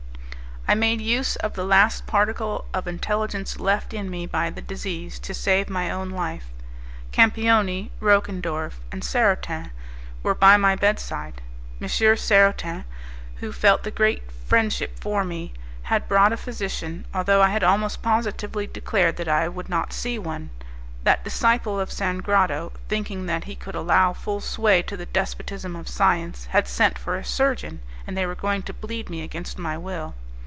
I made use of the last particle of intelligence left in me by the disease to save my own life. Campioni, Roquendorf and Sarotin were by my bedside. M. Sarotin, who felt great friendship for me, had brought a physician, although I had almost positively declared that I would not see one. That disciple of Sangrado, thinking that he could allow full sway to the despotism of science, had sent for a surgeon, and they were going to bleed me against my will.